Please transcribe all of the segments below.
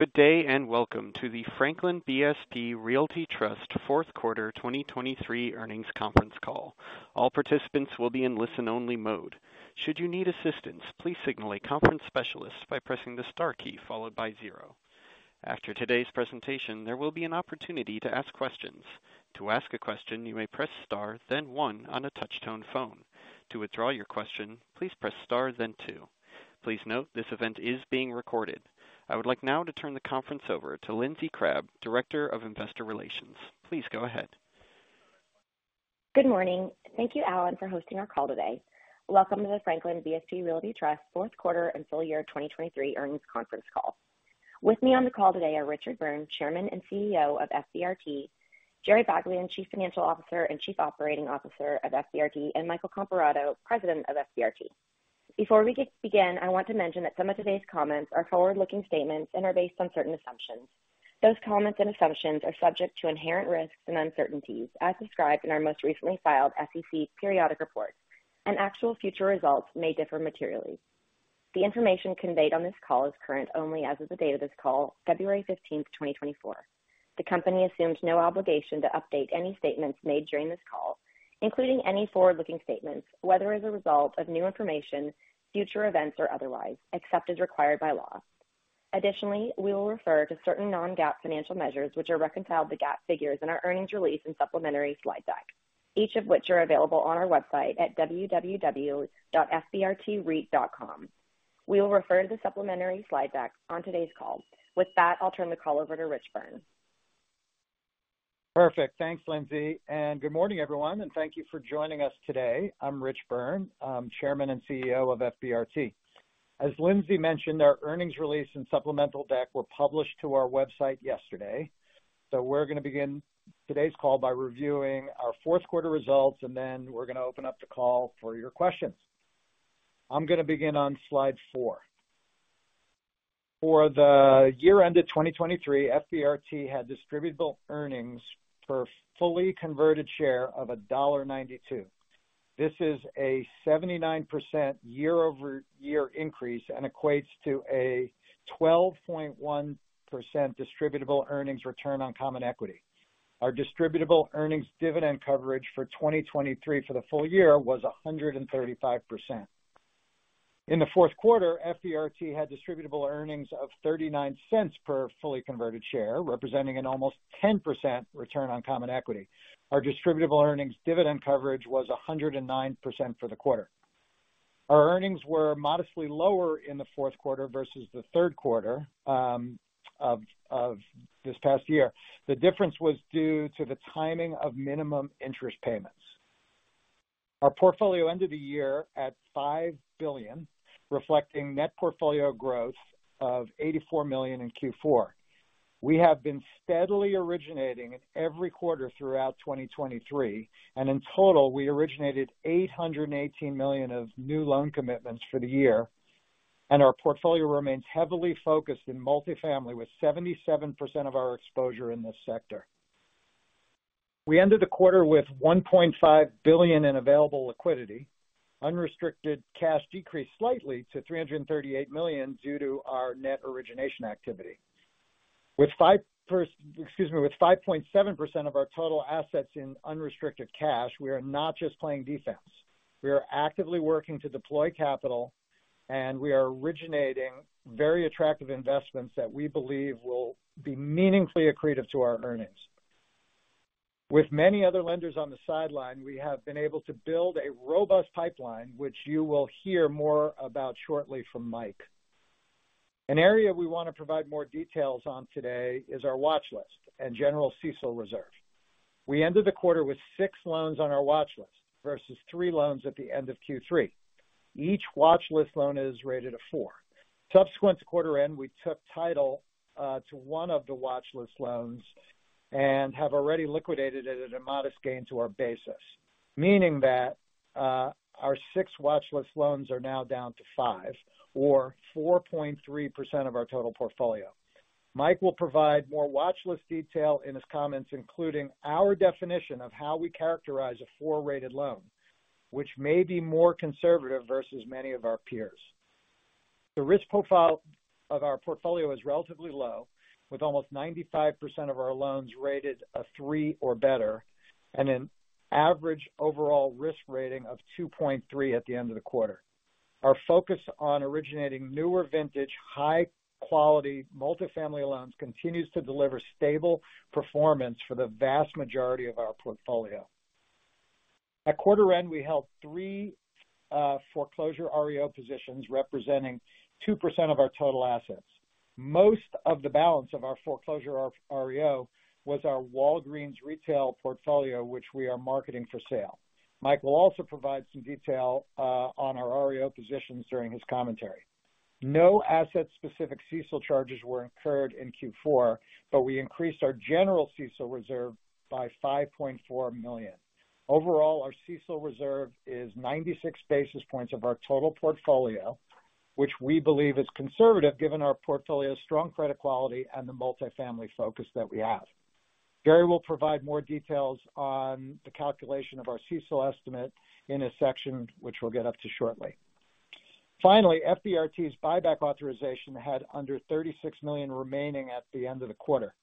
Good day, and welcome to the Franklin BSP Realty Trust Fourth Quarter 2023 earnings conference call. All participants will be in listen-only mode. Should you need assistance, please signal a conference specialist by pressing the star key followed by zero. After today's presentation, there will be an opportunity to ask questions. To ask a question, you may press star, then one on a touch-tone phone. To withdraw your question, please press star, then two. Please note, this event is being recorded. I would like now to turn the conference over to Lindsey Crabbe, Director of Investor Relations. Please go ahead. Good morning. Thank you, Alan, for hosting our call today. Welcome to the Franklin BSP Realty Trust fourth quarter and full year 2023 earnings conference call. With me on the call today are Richard Byrne, Chairman and CEO of FBRT, Jerry Baglien, Chief Financial Officer and Chief Operating Officer of FBRT, and Michael Comparato, President of FBRT. Before we begin, I want to mention that some of today's comments are forward-looking statements and are based on certain assumptions. Those comments and assumptions are subject to inherent risks and uncertainties, as described in our most recently filed SEC periodic report, and actual future results may differ materially. The information conveyed on this call is current only as of the date of this call, February fifteenth, 2024. The company assumes no obligation to update any statements made during this call, including any forward-looking statements, whether as a result of new information, future events, or otherwise, except as required by law. Additionally, we will refer to certain non-GAAP financial measures, which are reconciled to GAAP figures in our earnings release and supplementary slide deck, each of which are available on our website at www.fbrtreit.com. We will refer to the supplementary slide deck on today's call. With that, I'll turn the call over to Richard Byrne. Perfect. Thanks, Lindsey, and good morning, everyone, and thank you for joining us today. I'm Richard Byrne, I'm Chairman and CEO of FBRT. As Lindsey mentioned, our earnings release and supplemental deck were published to our website yesterday. We're gonna begin today's call by reviewing our fourth quarter results, and then we're gonna open up the call for your questions. I'm gonna begin on slide four. For the year-end of 2023, FBRT had distributable earnings per fully converted share of $1.92. This is a 79% year-over-year increase and equates to a 12.1% distributable earnings return on common equity. Our distributable earnings dividend coverage for 2023 for the full year was 135%. In the fourth quarter, FBRT had distributable earnings of $0.39 per fully converted share, representing an almost 10% return on common equity. Our distributable earnings dividend coverage was 109% for the quarter. Our earnings were modestly lower in the fourth quarter versus the third quarter of this past year. The difference was due to the timing of minimum interest payments. Our portfolio ended the year at $5 billion, reflecting net portfolio growth of $84 million in Q4. We have been steadily originating every quarter throughout 2023, and in total, we originated $818 million of new loan commitments for the year, and our portfolio remains heavily focused in multifamily, with 77% of our exposure in this sector. We ended the quarter with $1.5 billion in available liquidity. Unrestricted cash decreased slightly to $338 million due to our net origination activity. With 5.7% of our total assets in unrestricted cash, we are not just playing defense. We are actively working to deploy capital, and we are originating very attractive investments that we believe will be meaningfully accretive to our earnings. With many other lenders on the sideline, we have been able to build a robust pipeline, which you will hear more about shortly from Mike. An area we want to provide more details on today is our watchlist and general CECL reserve. We ended the quarter with six loans on our watchlist versus three loans at the end of Q3. Each watchlist loan is rated a four. Subsequent to quarter end, we took title to one of the watchlist loans and have already liquidated it at a modest gain to our basis, meaning that our six watchlist loans are now down to five or 4.3% of our total portfolio. Mike will provide more watchlist detail in his comments, including our definition of how we characterize a four-rated loan, which may be more conservative versus many of our peers. The risk profile of our portfolio is relatively low, with almost 95% of our loans rated a three or better and an average overall risk rating of 2.3 at the end of the quarter. Our focus on originating newer vintage, high-quality multifamily loans continues to deliver stable performance for the vast majority of our portfolio. At quarter end, we held three foreclosure REO positions representing 2% of our total assets. Most of the balance of our foreclosure REO was our Walgreens retail portfolio, which we are marketing for sale. Mike will also provide some detail on our REO positions during his commentary. No asset-specific CECL charges were incurred in Q4, but we increased our general CECL reserve by $5.4 million. Overall, our CECL reserve is 96 basis points of our total portfolio, which we believe is conservative, given our portfolio's strong credit quality and the multifamily focus that we have. Jerry will provide more details on the calculation of our CECL estimate in a section which we'll get up to shortly. Finally, FBRT's buyback authorization had under $36 million remaining at the end of the quarter.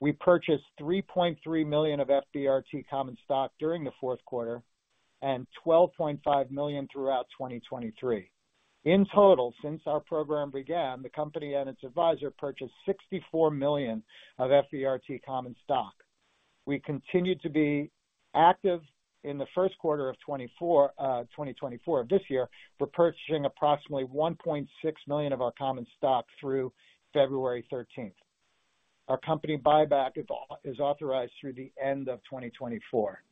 We purchased $3.3 million of FBRT common stock during the fourth quarter and $12.5 million throughout 2023. In total, since our program began, the company and its advisor purchased $64 million of FBRT common stock. We continued to be active in the first quarter of 2024, 2024, this year, we're purchasing approximately $1.6 million of our common stock through February 13th. Our company buyback is authorized through the end of 2024.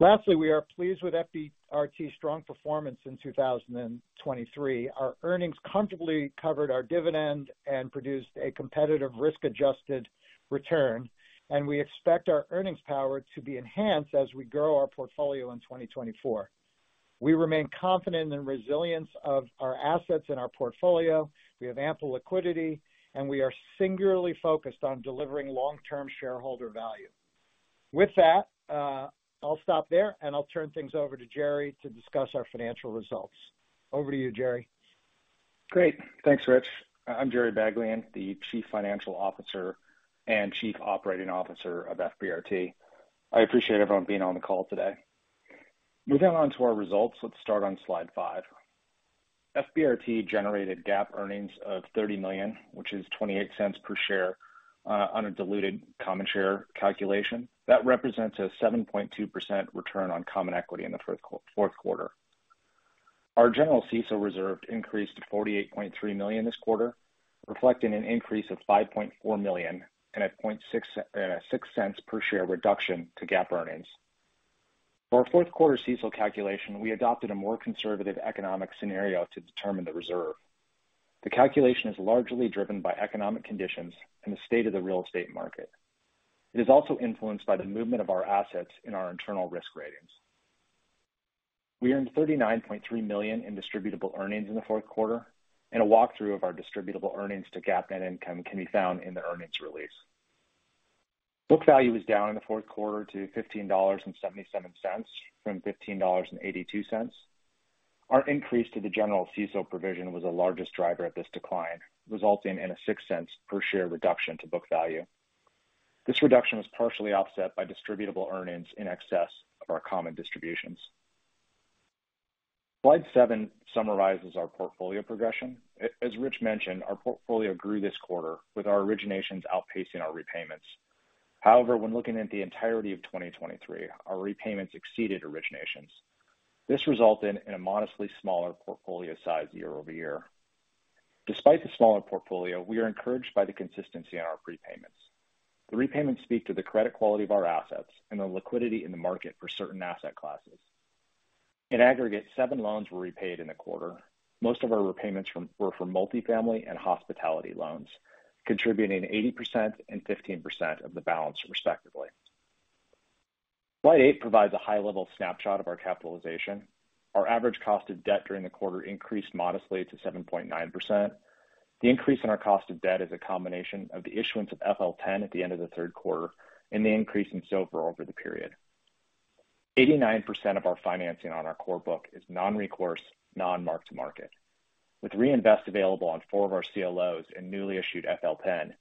Lastly, we are pleased with FBRT's strong performance in 2023. Our earnings comfortably covered our dividend and produced a competitive risk-adjusted return, and we expect our earnings power to be enhanced as we grow our portfolio in 2024. We remain confident in the resilience of our assets in our portfolio. We have ample liquidity, and we are singularly focused on delivering long-term shareholder value. With that, I'll stop there, and I'll turn things over to Jerry to discuss our financial results. Over to you, Jerry. Great. Thanks, Rich. I'm Jerry Baglien, the Chief Financial Officer and Chief Operating Officer of FBRT. I appreciate everyone being on the call today. Moving on to our results. Let's start on slide five. FBRT generated GAAP earnings of $30 million, which is $0.28 per share, on a diluted common share calculation. That represents a 7.2% return on common equity in the fourth quarter. Our general CECL reserve increased to $48.3 million this quarter, reflecting an increase of $5.4 million and a $0.06 per share reduction to GAAP earnings. For our fourth quarter CECL calculation, we adopted a more conservative economic scenario to determine the reserve. The calculation is largely driven by economic conditions and the state of the real estate market. It is also influenced by the movement of our assets in our internal risk ratings. We earned $39.3 million in distributable earnings in the fourth quarter, and a walkthrough of our distributable earnings to GAAP net income can be found in the earnings release. Book value is down in the fourth quarter to $15.77 from $15.82. Our increase to the general CECL provision was the largest driver of this decline, resulting in a $0.06 per share reduction to book value. This reduction was partially offset by distributable earnings in excess of our common distributions. Slide seven summarizes our portfolio progression. As Rich mentioned, our portfolio grew this quarter, with our originations outpacing our repayments. However, when looking at the entirety of 2023, our repayments exceeded originations. This resulted in a modestly smaller portfolio size year over year. Despite the smaller portfolio, we are encouraged by the consistency in our prepayments. The repayments speak to the credit quality of our assets and the liquidity in the market for certain asset classes. In aggregate, seven loans were repaid in the quarter. Most of our repayments were from multifamily and hospitality loans, contributing 80% and 15% of the balance, respectively. Slide eight provides a high-level snapshot of our capitalization. Our average cost of debt during the quarter increased modestly to 7.9%. The increase in our cost of debt is a combination of the issuance of FL10 at the end of the third quarter and the increase in SOFR over the period. 89% of our financing on our core book is non-recourse, non-mark-to-market. With reinvest available on four of our CLOs and newly issued FL10,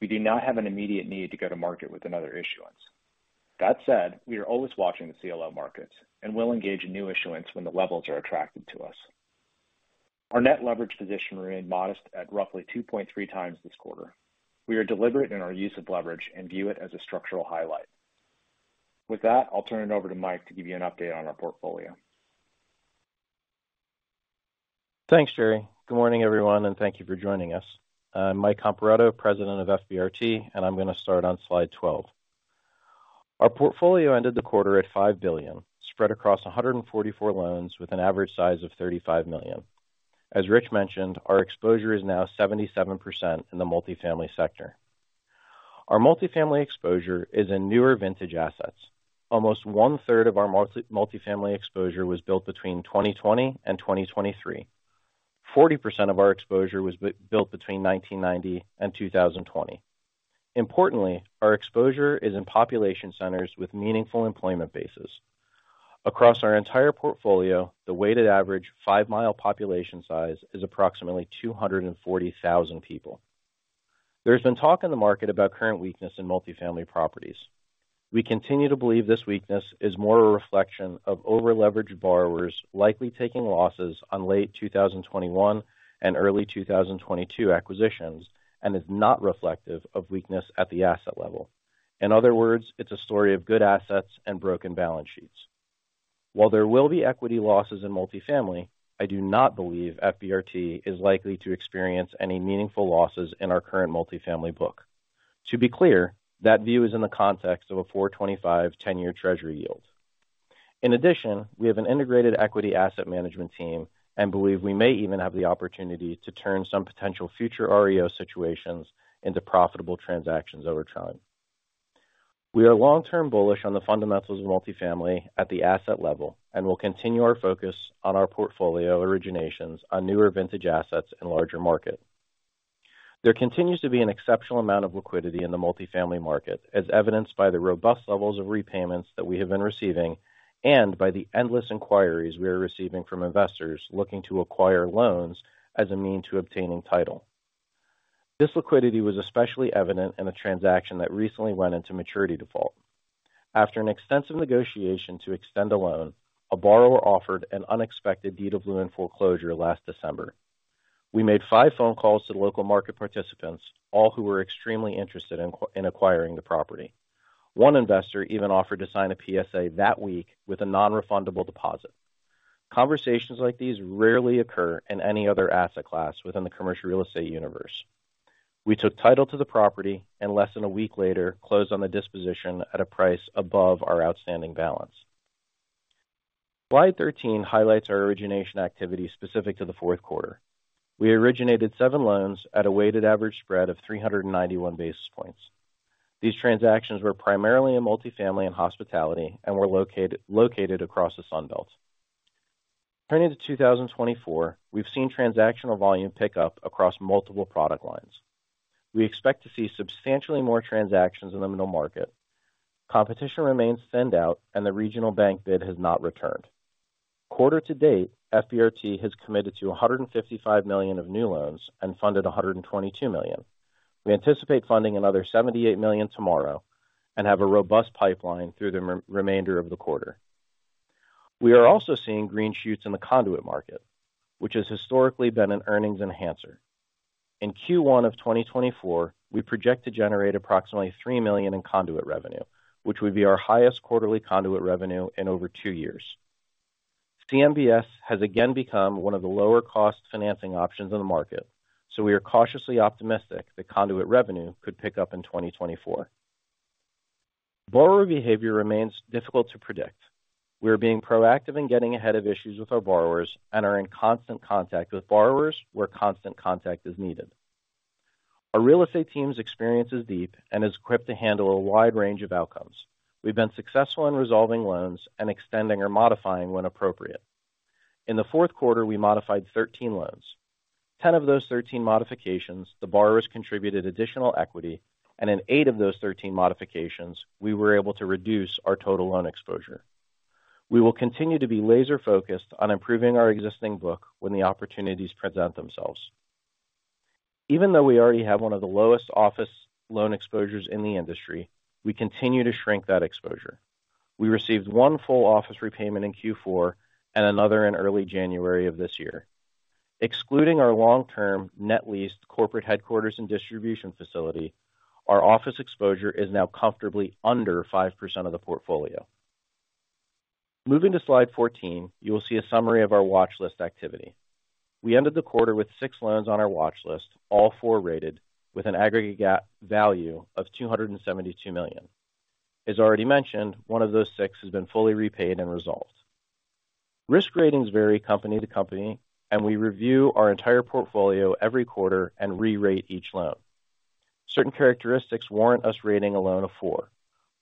we do not have an immediate need to go to market with another issuance. That said, we are always watching the CLO markets and will engage in new issuance when the levels are attractive to us. Our net leverage position remained modest at roughly 2.3x this quarter. We are deliberate in our use of leverage and view it as a structural highlight. With that, I'll turn it over to Mike to give you an update on our portfolio. Thanks, Jerry. Good morning, everyone, and thank you for joining us. I'm Mike Comparato, President of FBRT, and I'm going to start on slide 12. Our portfolio ended the quarter at $5 billion, spread across 144 loans with an average size of $35 million. As Rich mentioned, our exposure is now 77% in the multifamily sector. Our multifamily exposure is in newer vintage assets. Almost one-third of our multifamily exposure was built between 2020 and 2023. 40% of our exposure was built between 1990 and 2020. Importantly, our exposure is in population centers with meaningful employment bases. Across our entire portfolio, the weighted average 5-mile population size is approximately 240,000 people. There's been talk in the market about current weakness in multifamily properties. We continue to believe this weakness is more a reflection of over-leveraged borrowers likely taking losses on late 2021 and early 2022 acquisitions, and is not reflective of weakness at the asset level. In other words, it's a story of good assets and broken balance sheets. While there will be equity losses in multifamily, I do not believe FBRT is likely to experience any meaningful losses in our current multifamily book. To be clear, that view is in the context of a 4.25 ten-year Treasury yield. In addition, we have an integrated equity asset management team and believe we may even have the opportunity to turn some potential future REO situations into profitable transactions over time. We are long-term bullish on the fundamentals of multifamily at the asset level, and we'll continue our focus on our portfolio originations on newer vintage assets and larger market. There continues to be an exceptional amount of liquidity in the multifamily market, as evidenced by the robust levels of repayments that we have been receiving, and by the endless inquiries we are receiving from investors looking to acquire loans as a means to obtaining title. This liquidity was especially evident in a transaction that recently went into maturity default. After an extensive negotiation to extend a loan, a borrower offered an unexpected deed in lieu of foreclosure last December. We made 5 phone calls to the local market participants, all who were extremely interested in acquiring the property. One investor even offered to sign a PSA that week with a non-refundable deposit. Conversations like these rarely occur in any other asset class within the commercial real estate universe. We took title to the property and less than a week later, closed on the disposition at a price above our outstanding balance. Slide 13 highlights our origination activity specific to the fourth quarter. We originated seven loans at a weighted average spread of 391 basis points. These transactions were primarily in multifamily and hospitality and were located across the Sun Belt. Turning to 2024, we've seen transactional volume pick up across multiple product lines. We expect to see substantially more transactions in the middle market. Competition remains thinned out, and the regional bank bid has not returned. Quarter to date, FBRT has committed to $155 million of new loans and funded $122 million. We anticipate funding another $78 million tomorrow and have a robust pipeline through the remainder of the quarter. We are also seeing green shoots in the conduit market, which has historically been an earnings enhancer. In Q1 of 2024, we project to generate approximately $3 million in conduit revenue, which would be our highest quarterly conduit revenue in over two years. CMBS has again become one of the lower cost financing options in the market, so we are cautiously optimistic that conduit revenue could pick up in 2024. Borrower behavior remains difficult to predict. We are being proactive in getting ahead of issues with our borrowers and are in constant contact with borrowers where constant contact is needed. Our real estate team's experience is deep and is equipped to handle a wide range of outcomes. We've been successful in resolving loans and extending or modifying when appropriate. In the fourth quarter, we modified 13 loans. 10 of those 13 modifications, the borrowers contributed additional equity, and in eight of those 13 modifications, we were able to reduce our total loan exposure. We will continue to be laser-focused on improving our existing book when the opportunities present themselves. Even though we already have one of the lowest office loan exposures in the industry, we continue to shrink that exposure. We received one full office repayment in Q4 and another in early January of this year. Excluding our long-term net leased corporate headquarters and distribution facility, our office exposure is now comfortably under 5% of the portfolio. Moving to slide 14, you will see a summary of our watchlist activity. We ended the quarter with six loans on our watchlist, all four rated with an aggregate GAAP value of $272 million. As already mentioned, one of those six has been fully repaid and resolved. Risk ratings vary company to company, and we review our entire portfolio every quarter and re-rate each loan. Certain characteristics warrant us rating a loan a four.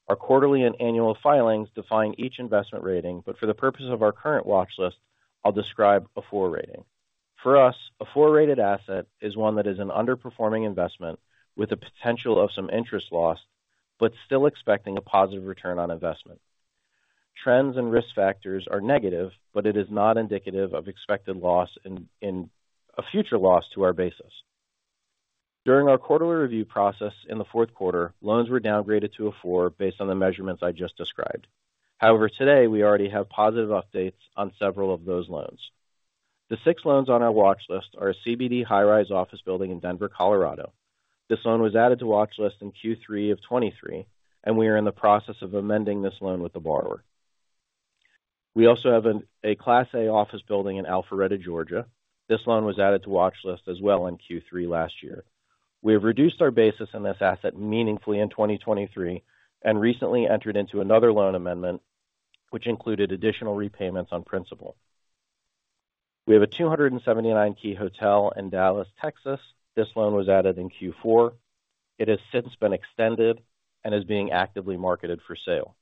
Our quarterly and annual filings define each investment rating, but for the purposes of our current watchlist, I'll describe a four rating. For us, a four-rated asset is one that is an underperforming investment with the potential of some interest loss, but still expecting a positive return on investment. Trends and risk factors are negative, but it is not indicative of expected loss in a future loss to our basis. During our quarterly review process in the fourth quarter, loans were downgraded to a four based on the measurements I just described. However, today, we already have positive updates on several of those loans. The six loans on our watch list are a CBD high-rise office building in Denver, Colorado. This loan was added to watch list in Q3 of 2023, and we are in the process of amending this loan with the borrower. We also have a Class A office building in Alpharetta, Georgia. This loan was added to watch list as well in Q3 last year. We have reduced our basis in this asset meaningfully in 2023 and recently entered into another loan amendment, which included additional repayments on principal. We have a 279-key hotel in Dallas, Texas. This loan was added in Q4. It has since been extended and is being actively marketed for sale.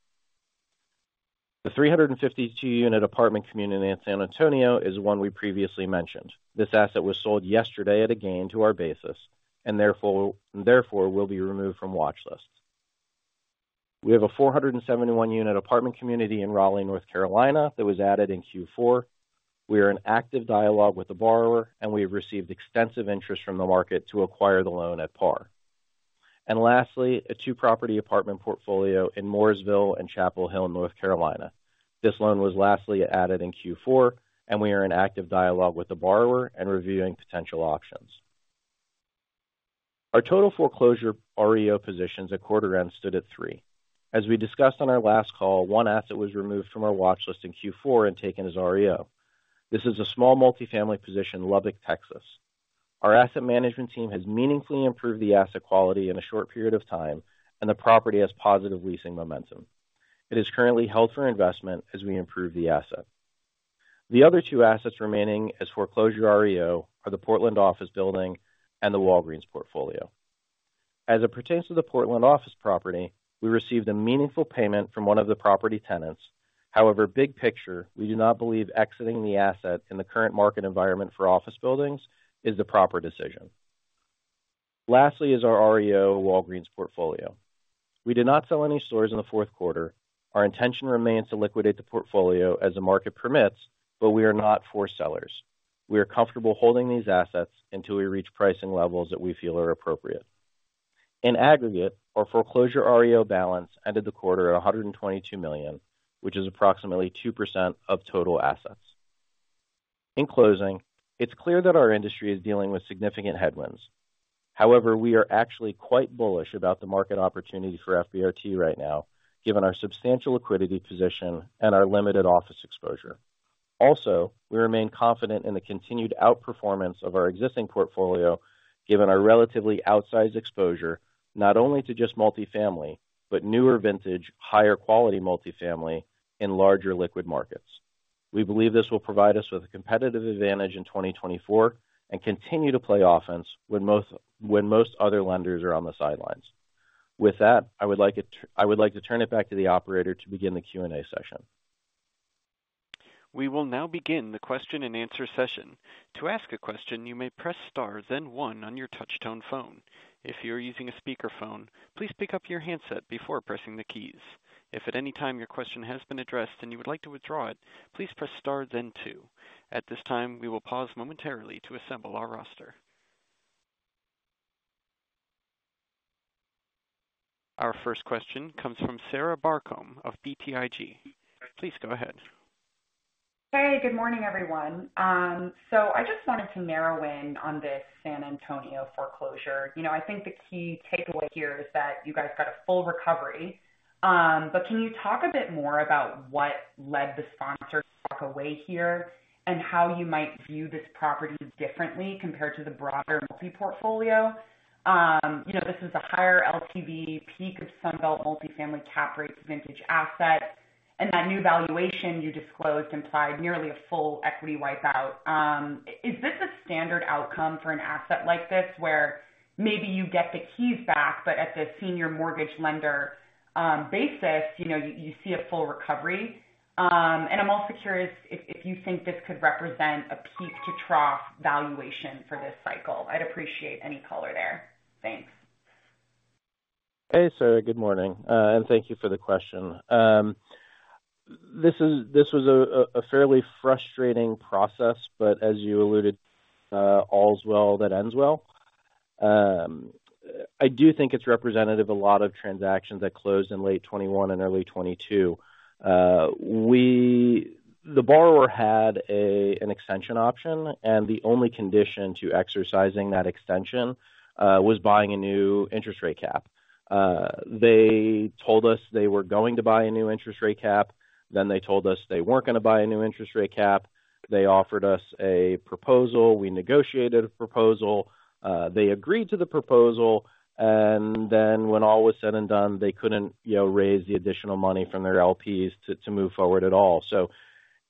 The 352-unit apartment community in San Antonio is one we previously mentioned. This asset was sold yesterday at a gain to our basis and therefore will be removed from watchlist. We have a 471-unit apartment community in Raleigh, North Carolina, that was added in Q4. We are in active dialogue with the borrower, and we have received extensive interest from the market to acquire the loan at par. And lastly, a two-property apartment portfolio in Mooresville and Chapel Hill, North Carolina. This loan was lastly added in Q4, and we are in active dialogue with the borrower and reviewing potential options. Our total foreclosure REO positions at quarter end stood at three. As we discussed on our last call, one asset was removed from our watchlist in Q4 and taken as REO. This is a small multifamily position in Lubbock, Texas. Our asset management team has meaningfully improved the asset quality in a short period of time, and the property has positive leasing momentum. It is currently held for investment as we improve the asset. The other two assets remaining as foreclosure REO are the Portland office building and the Walgreens portfolio. As it pertains to the Portland office property, we received a meaningful payment from one of the property tenants. However, big picture, we do not believe exiting the asset in the current market environment for office buildings is the proper decision. Lastly is our REO Walgreens portfolio. We did not sell any stores in the fourth quarter. Our intention remains to liquidate the portfolio as the market permits, but we are not for sellers. We are comfortable holding these assets until we reach pricing levels that we feel are appropriate. In aggregate, our foreclosure REO balance ended the quarter at $122 million, which is approximately 2% of total assets. In closing, it's clear that our industry is dealing with significant headwinds. However, we are actually quite bullish about the market opportunity for FBRT right now, given our substantial liquidity position and our limited office exposure. Also, we remain confident in the continued outperformance of our existing portfolio, given our relatively outsized exposure, not only to just multifamily, but newer vintage, higher quality multifamily in larger liquid markets. We believe this will provide us with a competitive advantage in 2024 and continue to play offense when most, when most other lenders are on the sidelines. With that, I would like to turn it back to the operator to begin the Q&A session. We will now begin the question-and-answer session. To ask a question, you may press star, then one on your touchtone phone. If you're using a speakerphone, please pick up your handset before pressing the keys. If at any time your question has been addressed and you would like to withdraw it, please press star then two. At this time, we will pause momentarily to assemble our roster. Our first question comes from Sarah Barcomb of BTIG. Please go ahead. Hey, good morning, everyone. So I just wanted to narrow in on this San Antonio foreclosure. You know, I think the key takeaway here is that you guys got a full recovery. But can you talk a bit more about what led the sponsor to walk away here and how you might view this property differently compared to the broader multi-portfolio? You know, this is a higher LTV peak of Sun Belt multifamily cap rates, vintage asset, and that new valuation you disclosed implied nearly a full equity wipeout. Is this a standard outcome for an asset like this, where maybe you get the keys back, but at the senior mortgage lender, basis, you know, you see a full recovery? And I'm also curious if you think this could represent a peak-to-trough valuation for this cycle. I'd appreciate any color there. Thanks. Hey, Sarah, good morning, and thank you for the question. This was a fairly frustrating process, but as you alluded, all's well that ends well. I do think it's representative of a lot of transactions that closed in late 2021 and early 2022. The borrower had an extension option, and the only condition to exercising that extension was buying a new interest rate cap. They told us they were going to buy a new interest rate cap, then they told us they weren't going to buy a new interest rate cap. They offered us a proposal. We negotiated a proposal. They agreed to the proposal, and then when all was said and done, they couldn't, you know, raise the additional money from their LPs to move forward at all. So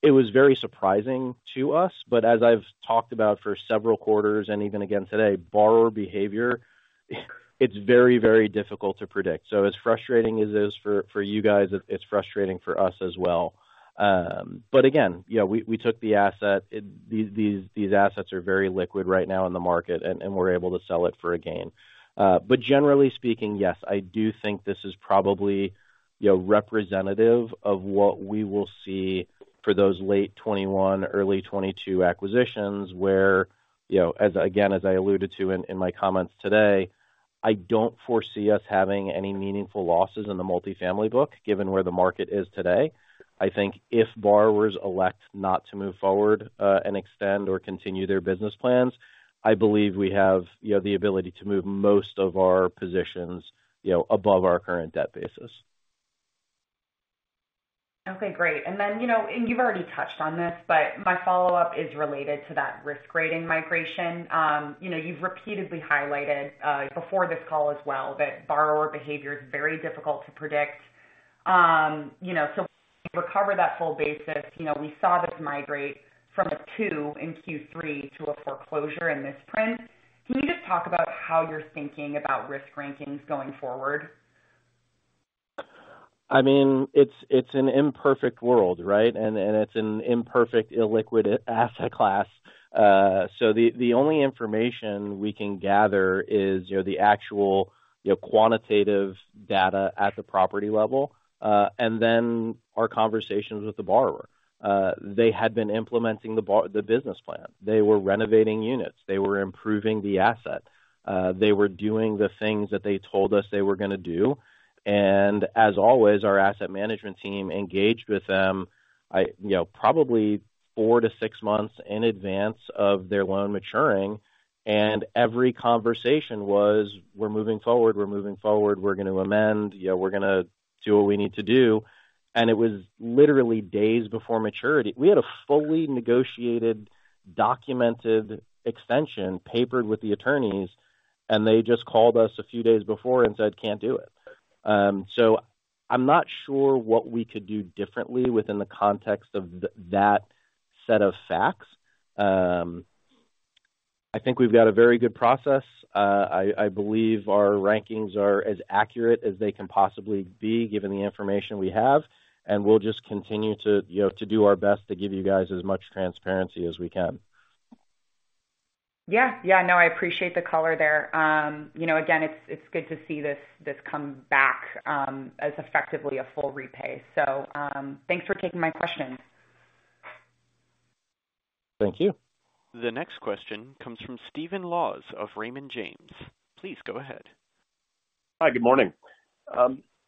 it was very surprising to us. But as I've talked about for several quarters and even again today, borrower behavior. It's very, very difficult to predict. So as frustrating as it is for you guys, it's frustrating for us as well. But again, you know, we took the asset. These assets are very liquid right now in the market, and we're able to sell it for a gain. But generally speaking, yes, I do think this is probably, you know, representative of what we will see for those late 2021, early 2022 acquisitions, where, you know, as again, as I alluded to in my comments today, I don't foresee us having any meaningful losses in the multifamily book, given where the market is today. I think if borrowers elect not to move forward, and extend or continue their business plans, I believe we have, you know, the ability to move most of our positions, you know, above our current debt basis. Okay, great. And then, you know, and you've already touched on this, but my follow-up is related to that risk grading migration. You know, you've repeatedly highlighted, before this call as well, that borrower behavior is very difficult to predict. You know, so recover that full basis. You know, we saw this migrate from a two in Q3 to a foreclosure imminent. Can you just talk about how you're thinking about risk rankings going forward? I mean, it's, it's an imperfect world, right? And, and it's an imperfect, illiquid asset class. So the, the only information we can gather is, you know, the actual, you know, quantitative data at the property level, and then our conversations with the borrower. They had been implementing the business plan. They were renovating units. They were improving the asset. They were doing the things that they told us they were going to do. And as always, our asset management team engaged with them. You know, probably four-six months in advance of their loan maturing, and every conversation was, "We're moving forward. We're moving forward. We're going to amend. Yeah, we're gonna do what we need to do." And it was literally days before maturity. We had a fully negotiated, documented extension papered with the attorneys, and they just called us a few days before and said, "Can't do it." So I'm not sure what we could do differently within the context of that set of facts. I think we've got a very good process. I believe our rankings are as accurate as they can possibly be, given the information we have, and we'll just continue to, you know, to do our best to give you guys as much transparency as we can. Yeah. Yeah, no, I appreciate the color there. You know, again, it's good to see this come back as effectively a full repay. So, thanks for taking my question. Thank you. The next question comes from Steven Laws of Raymond James. Please go ahead. Hi, good morning.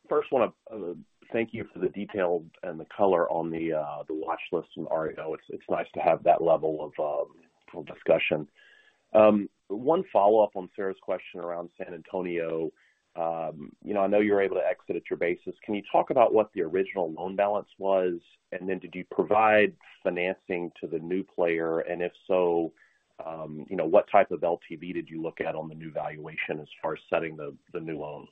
First, want to thank you for the detail and the color on the the watchlist from REO. It's, it's nice to have that level of full discussion. One follow-up on Sarah's question around San Antonio. You know, I know you're able to exit at your basis. Can you talk about what the original loan balance was? And then did you provide financing to the new player? And if so, you know, what type of LTV did you look at on the new valuation as far as setting the the new loan?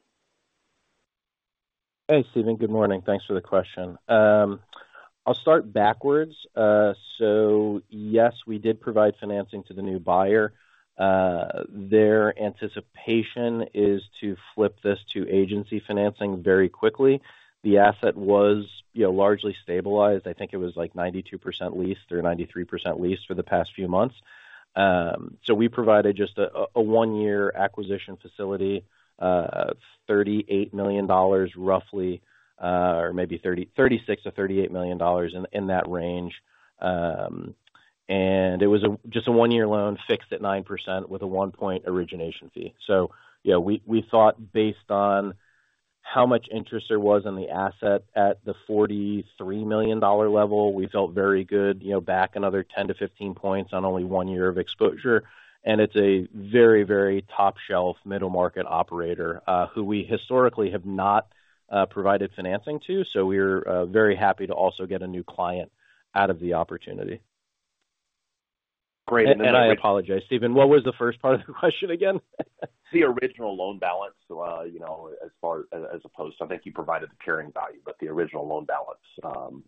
Hey, Steven, good morning. Thanks for the question. I'll start backwards. So yes, we did provide financing to the new buyer. Their anticipation is to flip this to agency financing very quickly. The asset was, you know, largely stabilized. I think it was like 92% leased or 93% leased for the past few months. So we provided just a one-year acquisition facility of $38 million, roughly, or maybe $36 million-$38 million in that range. And it was just a one-year loan, fixed at 9% with a 1-point origination fee. So, you know, we thought based on how much interest there was in the asset at the $43 million level, we felt very good, you know, back another 10-15 points on only one year of exposure. It's a very, very top-shelf middle-market operator who we historically have not provided financing to. We're very happy to also get a new client out of the opportunity. Great- I apologize, Steven, what was the first part of the question again? The original loan balance, you know, as far as, as opposed to I think you provided the carrying value, but the original loan balance.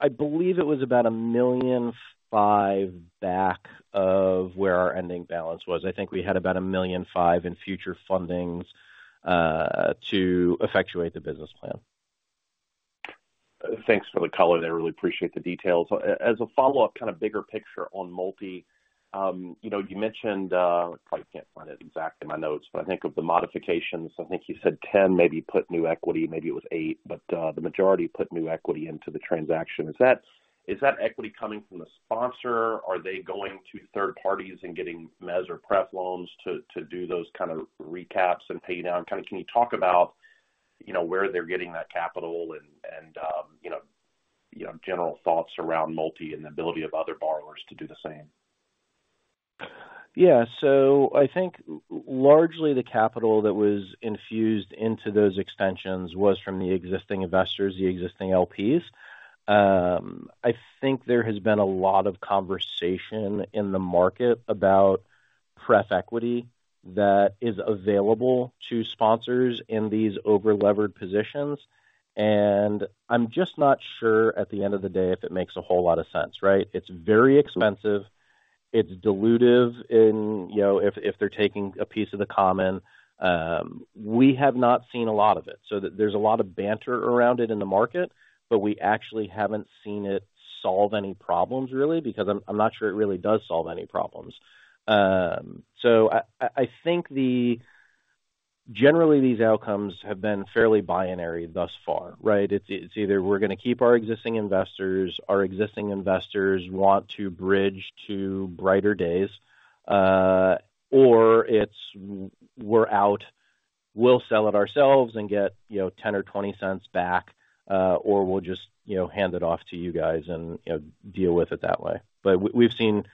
I believe it was about $1.5 million back of where our ending balance was. I think we had about $1.5 million in future fundings, to effectuate the business plan. Thanks for the color there. I really appreciate the details. As a follow-up, kind of, bigger picture on multi. You know, you mentioned, I probably can't find it exactly in my notes, but I think of the modifications, I think you said 10, maybe put new equity, maybe it was 8, but, the majority put new equity into the transaction. Is that, is that equity coming from the sponsor? Are they going to third parties and getting mezz or pref loans to, to do those kind of recaps and pay down? Kind of, can you talk about, you know, where they're getting that capital and, and, you know, you know, general thoughts around multi and the ability of other borrowers to do the same? Yeah. So I think largely the capital that was infused into those extensions was from the existing investors, the existing LPs. I think there has been a lot of conversation in the market about pref equity that is available to sponsors in these over-levered positions, and I'm just not sure at the end of the day, if it makes a whole lot of sense, right? It's very expensive. It's dilutive in, you know, if, if they're taking a piece of the common. We have not seen a lot of it. So there's a lot of banter around it in the market, but we actually haven't seen it solve any problems, really, because I'm not sure it really does solve any problems. So I think the... Generally, these outcomes have been fairly binary thus far, right? It's either we're going to keep our existing investors, our existing investors want to bridge to brighter days, or it's we're out, we'll sell it ourselves and get, you know, $0.10 or $0.20 back, or we'll just, you know, hand it off to you guys and, you know, deal with it that way. But we, we've seen,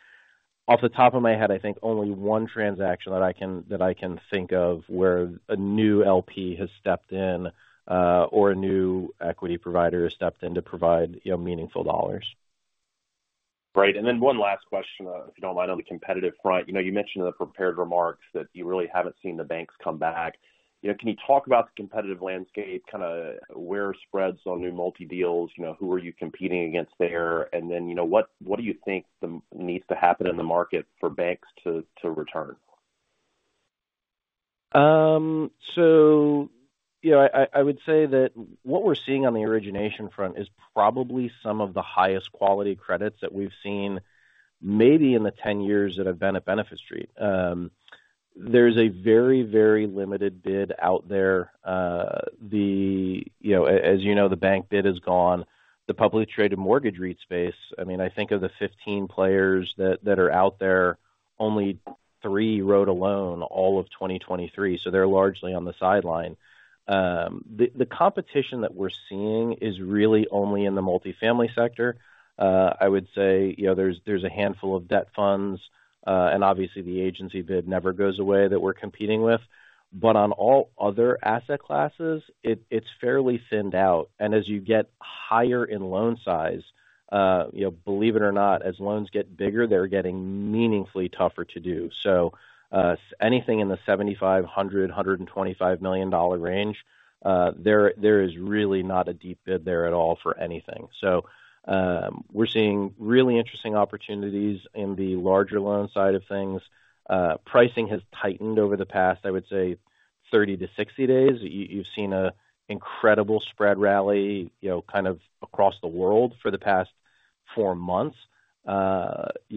off the top of my head, I think only one transaction that I can, that I can think of, where a new LP has stepped in, or a new equity provider has stepped in to provide, you know, meaningful dollars. Right. And then one last question, if you don't mind, on the competitive front. You know, you mentioned in the prepared remarks that you really haven't seen the banks come back. You know, can you talk about the competitive landscape, kind of where spreads on new multi-deals, you know, who are you competing against there? And then, you know, what do you think the needs to happen in the market for banks to return? So, you know, I would say that what we're seeing on the origination front is probably some of the highest quality credits that we've seen, maybe in the 10 years that I've been at Benefit Street. There's a very, very limited bid out there. You know, as you know, the bank bid is gone. The publicly traded mortgage REIT space, I mean, I think of the 15 players that are out there, only three wrote a loan, all of 2023, so they're largely on the sideline. The competition that we're seeing is really only in the multifamily sector. I would say, you know, there's a handful of debt funds, and obviously the agency bid never goes away that we're competing with, but on all other asset classes, it's fairly thinned out. As you get higher in loan size, you know, believe it or not, as loans get bigger, they're getting meaningfully tougher to do. So, anything in the $75 million, $100 million, $125 million range, there is really not a deep bid there at all for anything. So, we're seeing really interesting opportunities in the larger loan side of things. Pricing has tightened over the past, I would say, 30-60 days. You, you've seen an incredible spread rally, you know, kind of across the world for the past four months. You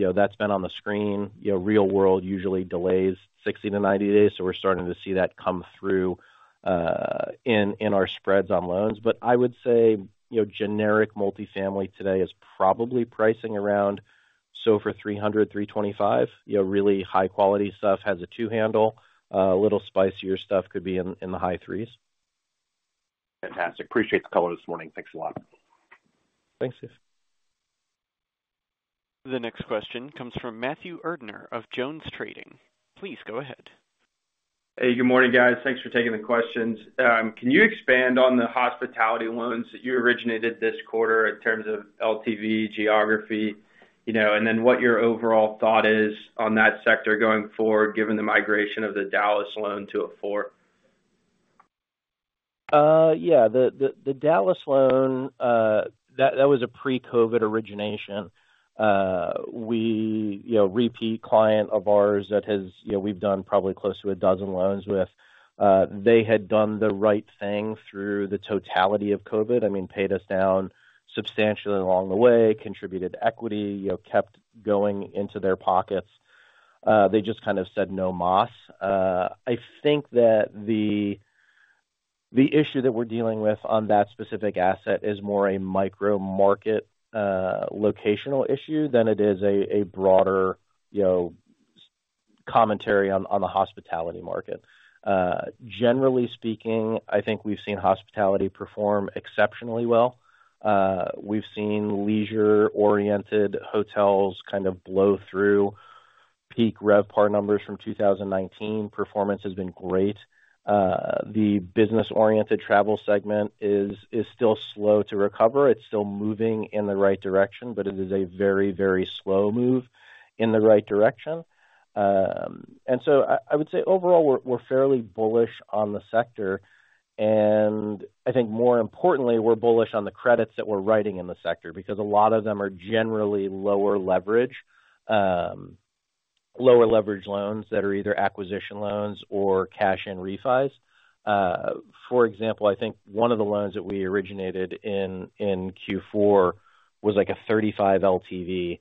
know, that's been on the screen. You know, real world usually delays 60-90 days, so we're starting to see that come through, in, in our spreads on loans. But I would say, you know, generic multifamily today is probably pricing around. SOFR 300-325, you know, really high-quality stuff has a two handle. A little spicier stuff could be in the high threes. Fantastic. Appreciate the call this morning. Thanks a lot. Thanks. The next question comes from Matthew Erdner of Jones Trading. Please go ahead. Hey, good morning, guys. Thanks for taking the questions. Can you expand on the hospitality loans that you originated this quarter in terms of LTV geography? You know, and then what your overall thought is on that sector going forward, given the migration of the Dallas loan to a four? Yeah. The Dallas loan, that was a pre-COVID origination. We... You know, a repeat client of ours that has, you know, we've done probably close to a dozen loans with. They had done the right thing through the totality of COVID. I mean, paid us down substantially along the way, contributed equity, you know, kept going into their pockets. They just kind of said, "No mas." I think that the issue that we're dealing with on that specific asset is more a micro-market, locational issue than it is a broader, you know, commentary on the hospitality market. Generally speaking, I think we've seen hospitality perform exceptionally well. We've seen leisure-oriented hotels kind of blow through peak RevPAR numbers from 2019. Performance has been great. The business-oriented travel segment is still slow to recover. It's still moving in the right direction, but it is a very, very slow move in the right direction. And so I would say overall, we're fairly bullish on the sector, and I think more importantly, we're bullish on the credits that we're writing in the sector, because a lot of them are generally lower leverage. Lower leverage loans that are either acquisition loans or cash-in refis. For example, I think one of the loans that we originated in Q4 was like a 35 LTV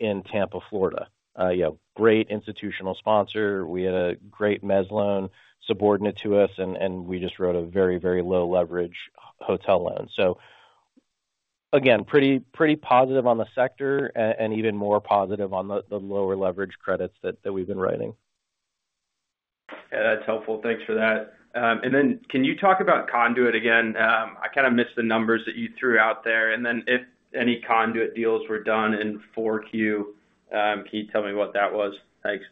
in Tampa, Florida. You know, great institutional sponsor. We had a great mezz loan subordinate to us, and we just wrote a very, very low leverage hotel loan. So again, pretty positive on the sector and even more positive on the lower leverage credits that we've been writing. Yeah, that's helpful. Thanks for that. And then can you talk about Conduit again? I kind of missed the numbers that you threw out there, and then if any Conduit deals were done in 4Q, can you tell me what that was? Thanks.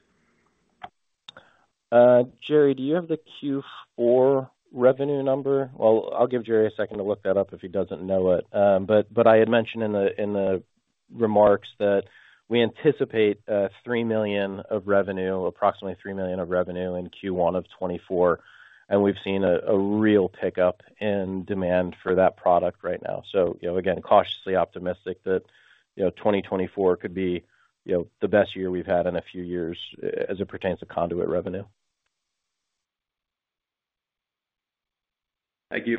Jerry, do you have the Q4 revenue number? Well, I'll give Jerry a second to look that up if he doesn't know it. But, but I had mentioned in the, in the remarks that we anticipate $3 million of revenue, approximately $3 million of revenue in Q1 of 2024, and we've seen a real pickup in demand for that product right now. So, you know, again, cautiously optimistic that, you know, 2024 could be, you know, the best year we've had in a few years, as it pertains to conduit revenue. Thank you.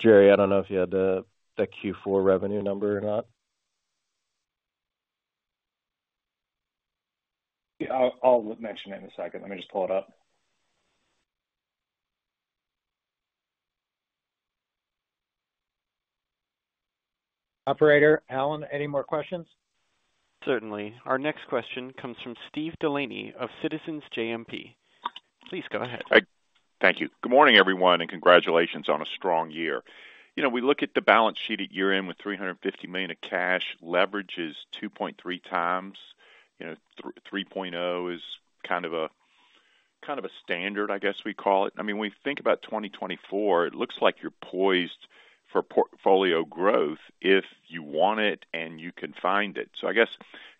Jerry, I don't know if you had the Q4 revenue number or not? Yeah, I'll mention it in a second. Let me just pull it up. Operator Alan, any more questions? Certainly. Our next question comes from Steve Delaney of Citizens JMP. Please go ahead. Hi, thank you. Good morning, everyone, and congratulations on a strong year. You know, we look at the balance sheet at year-end with $350 million of cash. Leverage is 2.3x. You know, 3.0 is kind of a, kind of a standard, I guess we call it. I mean, when we think about 2024, it looks like you're poised for portfolio growth if you want it, and you can find it. So I guess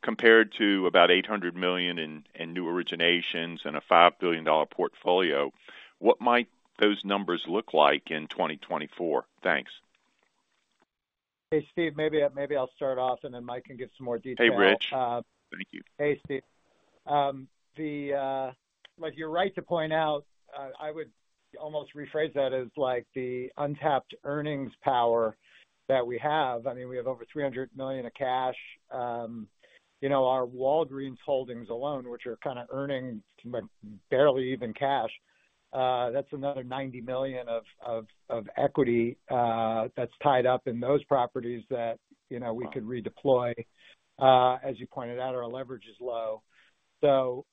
compared to about $800 million in, in new originations and a $5 billion portfolio, what might those numbers look like in 2024? Thanks. Hey, Steve. Maybe I, maybe I'll start off, and then Mike can give some more detail. Hey, Rich. Uh. Thank you. Hey, Steve. Like you're right to point out, I would almost rephrase that as like the untapped earnings power that we have. I mean, we have over $300 million of cash. You know, our Walgreens holdings alone, which are kind of earning barely even cash, that's another $90 million of equity that's tied up in those properties that, you know, we could redeploy. As you pointed out, our leverage is low. So,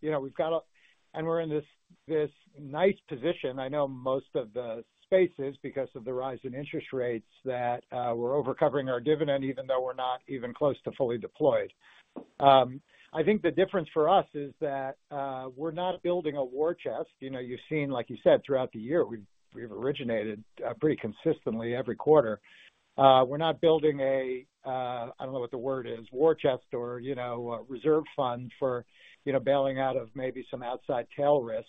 you know, we've got and we're in this nice position. I know most of the spaces, because of the rise in interest rates, that we're overcovering our dividend, even though we're not even close to fully deployed. I think the difference for us is that we're not building a war chest. You know, you've seen, like you said, throughout the year, we've originated pretty consistently every quarter.... we're not building a, I don't know what the word is, war chest or, you know, a reserve fund for, you know, bailing out of maybe some outside tail risk.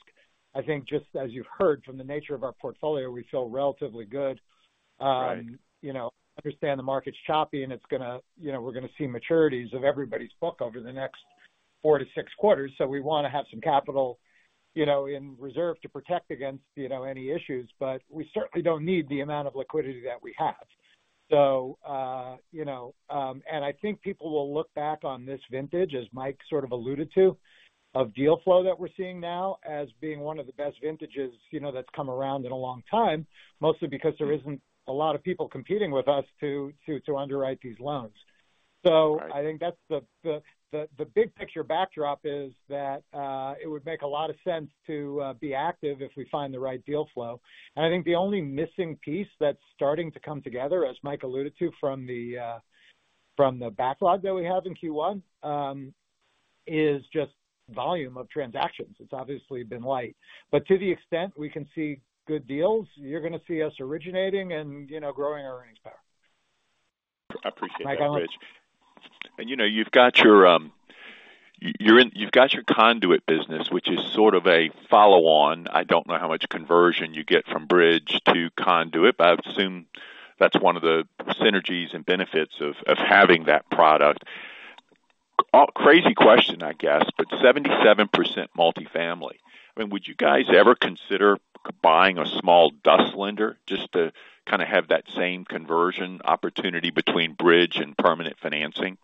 I think just as you've heard from the nature of our portfolio, we feel relatively good. You know, understand the market's choppy, and it's going to, you know, we're going to see maturities of everybody's book over the next four-six quarters. So we want to have some capital, you know, in reserve to protect against, you know, any issues. But we certainly don't need the amount of liquidity that we have. So, you know, and I think people will look back on this vintage, as Mike sort of alluded to, of deal flow that we're seeing now as being one of the best vintages, you know, that's come around in a long time, mostly because there isn't a lot of people competing with us to underwrite these loans. So I think that's the big picture backdrop is that it would make a lot of sense to be active if we find the right deal flow. And I think the only missing piece that's starting to come together, as Mike alluded to, from the backlog that we have in Q1, is just volume of transactions. It's obviously been light. To the extent we can see good deals, you're going to see us originating and, you know, growing our earnings power. I appreciate that, Rich. Mike. And, you know, you've got your conduit business, which is sort of a follow-on. I don't know how much conversion you get from bridge to conduit, but I would assume that's one of the synergies and benefits of having that product. Crazy question, I guess, but 77% multifamily. I mean, would you guys ever consider buying a small debt lender just to kind of have that same conversion opportunity between bridge and permanent financing?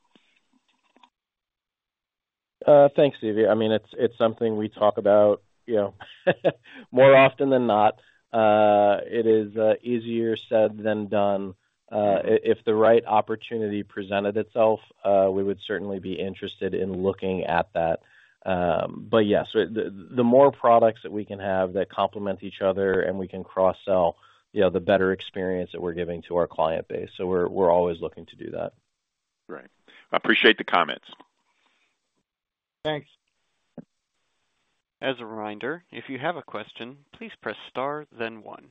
Thanks, David. I mean, it's something we talk about, you know, more often than not. It is easier said than done. If the right opportunity presented itself, we would certainly be interested in looking at that. But yes, the more products that we can have that complement each other and we can cross-sell, you know, the better experience that we're giving to our client base. So we're always looking to do that. Right. I appreciate the comments. Thanks. As a reminder, if you have a question, please press star, then one.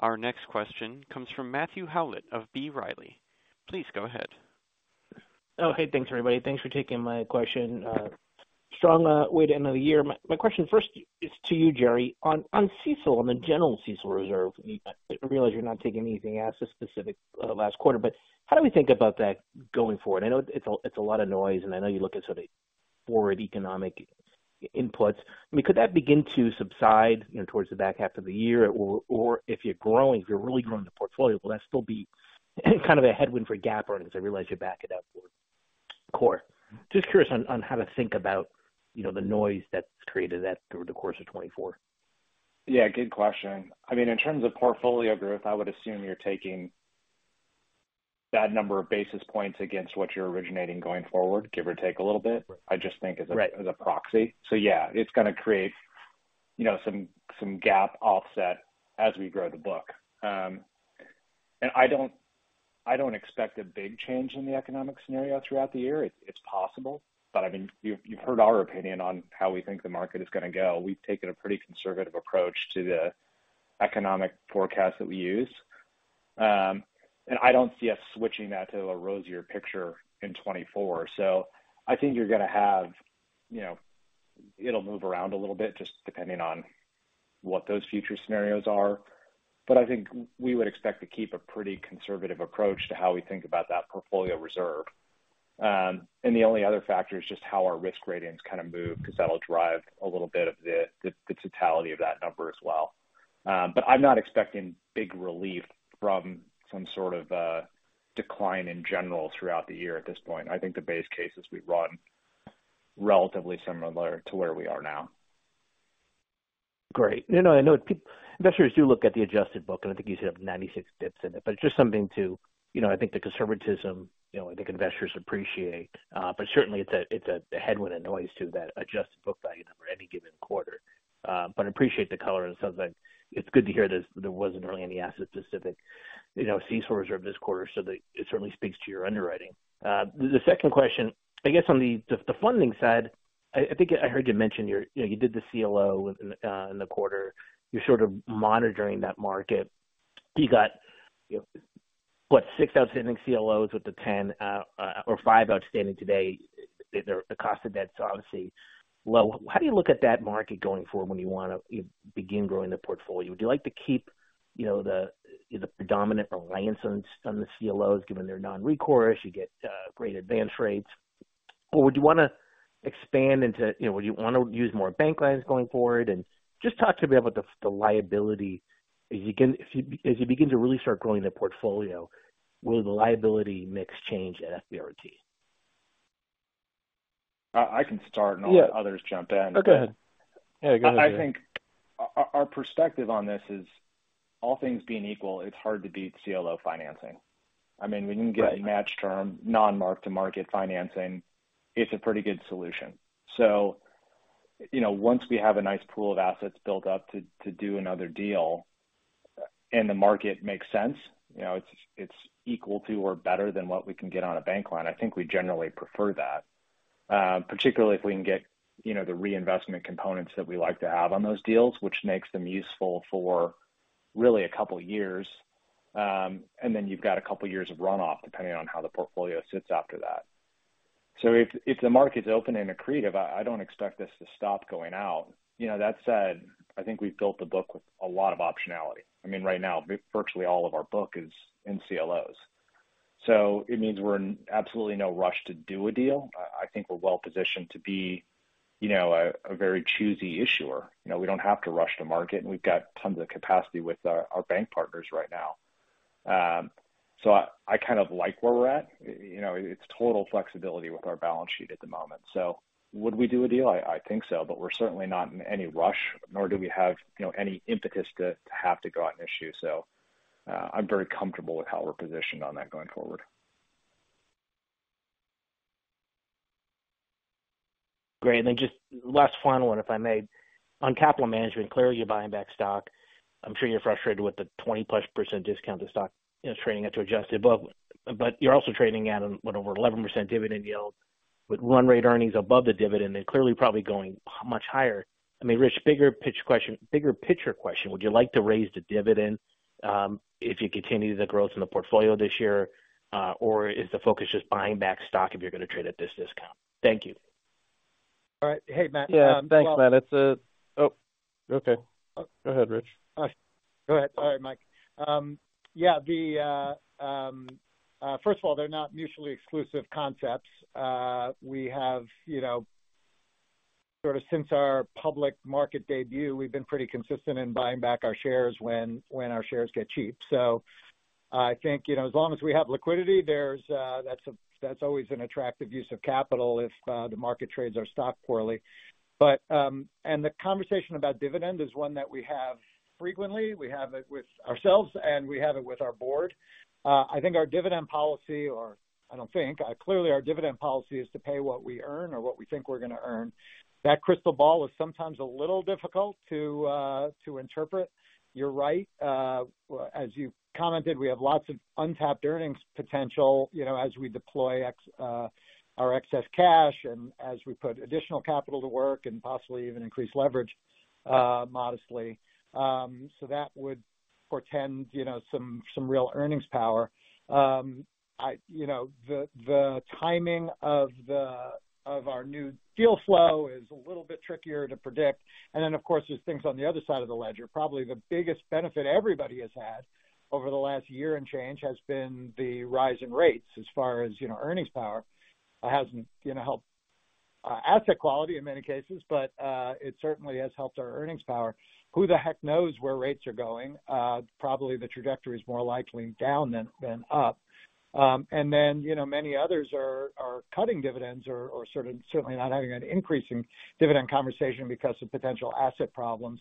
Our next question comes from Matthew Howlett of B. Riley. Please go ahead. Oh, hey, thanks, everybody. Thanks for taking my question. Strong way to end the year. My question first is to you, Jerry, on CECL, on the general CECL reserve. I realize you're not taking anything asset-specific last quarter, but how do we think about that going forward? I know it's a lot of noise, and I know you look at sort of forward economic inputs. I mean, could that begin to subside, you know, towards the back half of the year? Or if you're growing, if you're really growing the portfolio, will that still be kind of a headwind for GAAP earnings? I realize you back it out for core. Just curious on how to think about, you know, the noise that's created that through the course of 2024. Yeah, good question. I mean, in terms of portfolio growth, I would assume you're taking that number of basis points against what you're originating going forward, give or take a little bit. Right. I just think as a- Right... as a proxy. So yeah, it's going to create, you know, some GAAP offset as we grow the book. And I don't expect a big change in the economic scenario throughout the year. It's possible, but I mean, you've heard our opinion on how we think the market is going to go. We've taken a pretty conservative approach to the economic forecast that we use. And I don't see us switching that to a rosier picture in 2024. So I think you're going to have, you know... It'll move around a little bit, just depending on what those future scenarios are. But I think we would expect to keep a pretty conservative approach to how we think about that portfolio reserve. And the only other factor is just how our risk gradients kind of move, because that'll drive a little bit of the totality of that number as well. But I'm not expecting big relief from some sort of decline in general throughout the year at this point. I think the base case is we've gotten relatively similar to where we are now. Great. You know, I know investors do look at the adjusted book, and I think you said 96 bps in it. But it's just something to, you know, I think the conservatism, you know, I think investors appreciate, but certainly it's a, it's a headwind, a noise to that adjusted book value number any given quarter. But appreciate the color and it sounds like it's good to hear that there wasn't really any asset-specific, you know, CECL reserve this quarter, so that it certainly speaks to your underwriting. The second question, I guess on the funding side, I think I heard you mention your you did the CLO in the quarter. You're sort of monitoring that market. You got, what, six outstanding CLOs with the 10, or five outstanding today. The cost of debt is obviously low. How do you look at that market going forward when you want to, you know, begin growing the portfolio? Would you like to keep, you know, the predominant reliance on the CLOs, given they're non-recourse, you get great advance rates? Or would you want to expand into, you know, would you want to use more bank lines going forward? And just talk to me about the liability. As you begin to really start growing the portfolio, will the liability mix change at FBRT? I can start. Yeah. And all the others jump in. Okay, yeah, go ahead. I think our perspective on this is, all things being equal, it's hard to beat CLO financing. I mean, we can get- Right A match term, non-mark-to-market financing. It's a pretty good solution. So, you know, once we have a nice pool of assets built up to do another deal and the market makes sense, you know, it's equal to or better than what we can get on a bank line, I think we generally prefer that.... particularly if we can get, you know, the reinvestment components that we like to have on those deals, which makes them useful for really a couple years. And then you've got a couple of years of runoff, depending on how the portfolio sits after that. So if the market is open and accretive, I don't expect this to stop going out. You know, that said, I think we've built the book with a lot of optionality. I mean, right now, virtually all of our book is in CLOs, so it means we're in absolutely no rush to do a deal. I think we're well-positioned to be, you know, a very choosy issuer. You know, we don't have to rush to market, and we've got tons of capacity with our bank partners right now. So I kind of like where we're at. You know, it's total flexibility with our balance sheet at the moment. So would we do a deal? I think so, but we're certainly not in any rush, nor do we have, you know, any impetus to have to go out and issue. So I'm very comfortable with how we're positioned on that going forward. Great. And then just last final one, if I may. On capital management, clearly, you're buying back stock. I'm sure you're frustrated with the 20%+ discount to stock, you know, trading at to adjusted book. But you're also trading at, what, over 11% dividend yield with run rate earnings above the dividend and clearly probably going much higher. I mean, Rich, bigger picture question, would you like to raise the dividend, if you continue the growth in the portfolio this year, or is the focus just buying back stock if you're going to trade at this discount? Thank you. All right. Hey, Matt- Yeah. Thanks, Matt. It's... Oh, okay. Go ahead, Rich. Go ahead. Sorry, Mike. Yeah, first of all, they're not mutually exclusive concepts. We have, you know, sort of since our public market debut, we've been pretty consistent in buying back our shares when our shares get cheap. So I think, you know, as long as we have liquidity, there's that's always an attractive use of capital if the market trades our stock poorly. But, and the conversation about dividend is one that we have frequently. We have it with ourselves, and we have it with our board. I think our dividend policy, or I don't think, clearly our dividend policy is to pay what we earn or what we think we're going to earn. That crystal ball is sometimes a little difficult to interpret. You're right. As you commented, we have lots of untapped earnings potential, you know, as we deploy our excess cash and as we put additional capital to work and possibly even increase leverage, modestly. So that would portend, you know, some real earnings power. You know, the timing of our new deal flow is a little bit trickier to predict. And then, of course, there's things on the other side of the ledger. Probably the biggest benefit everybody has had over the last year and change has been the rise in rates as far as, you know, earnings power. It hasn't, you know, helped asset quality in many cases, but it certainly has helped our earnings power. Who the heck knows where rates are going? Probably the trajectory is more likely down than up. And then, you know, many others are cutting dividends or sort of certainly not having an increasing dividend conversation because of potential asset problems.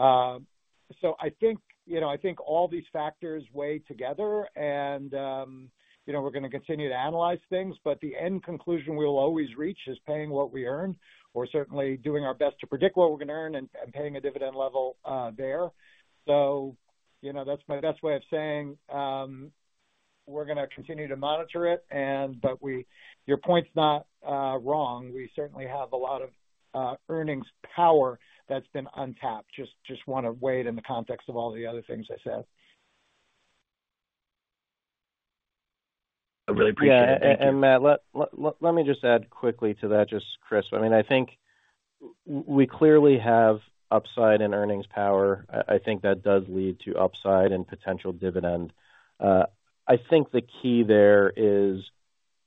So I think, you know, I think all these factors weigh together, and you know, we're going to continue to analyze things, but the end conclusion we will always reach is paying what we earn or certainly doing our best to predict what we're going to earn and paying a dividend level there. So, you know, that's my best way of saying we're going to continue to monitor it, and but we—your point's not wrong. We certainly have a lot of earnings power that's been untapped. Just want to weigh it in the context of all the other things I said. I really appreciate it. Yeah. And, Matt, let me just add quickly to that, just crisp. I mean, I think we clearly have upside in earnings power. I think that does lead to upside and potential dividend. I think the key there is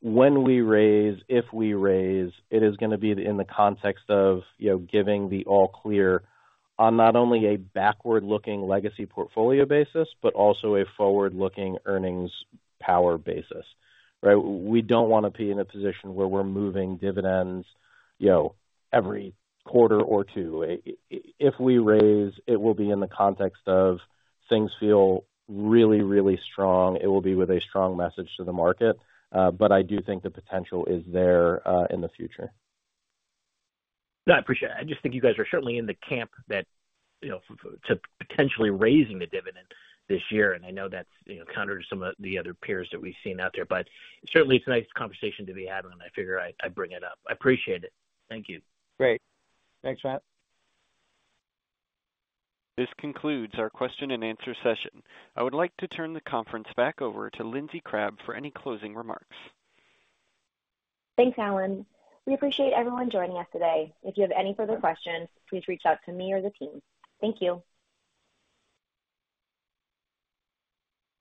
when we raise, if we raise, it is going to be in the context of, you know, giving the all clear on not only a backward-looking legacy portfolio basis, but also a forward-looking earnings power basis, right? We don't want to be in a position where we're moving dividends, you know, every quarter or two. If we raise, it will be in the context of things feel really, really strong. It will be with a strong message to the market, but I do think the potential is there, in the future. No, I appreciate it. I just think you guys are certainly in the camp that, you know, to potentially raising the dividend this year, and I know that's, you know, counter to some of the other peers that we've seen out there. But certainly it's a nice conversation to be having, and I figure I'd bring it up. I appreciate it. Thank you. Great. Thanks, Matt. This concludes our question and answer session. I would like to turn the conference back over to Lindsey Crabbe for any closing remarks. Thanks, Alan. We appreciate everyone joining us today. If you have any further questions, please reach out to me or the team. Thank you.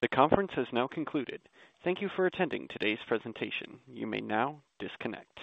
The conference has now concluded. Thank you for attending today's presentation. You may now disconnect.